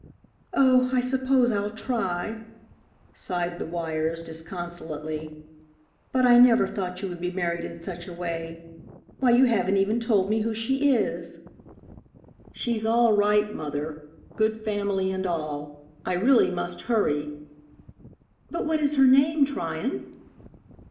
"Oh, I suppose I'll try," sighed the wires disconsolately; "but I never thought you would be married in such a way. Why, you haven't even told me who she is." "She's all right, Mother good family and all. I really must hurry " "But what is her name, Tryon?"